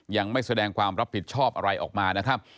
ยังไม่แสดงความรับผิดชอบอะไรออกมานะครับ